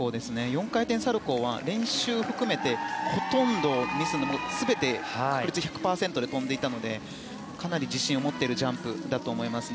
４回転サルコウは練習を含めてほとんどミスなく、全て確率１００％で跳んでいたのでかなり自信を持っているジャンプだと思いますね。